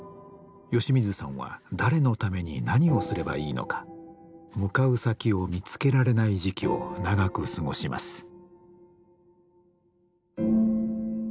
吉水さんは誰のために何をすればいいのか向かう先を見つけられない時期を長く過ごします。